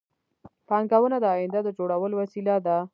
پانګونه د آینده د جوړولو وسیله ده